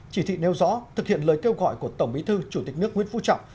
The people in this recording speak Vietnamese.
chỉ thị nêu rõ thực hiện lời kêu gọi của tổng bí thư chủ tịch nước nguyễn phú trọng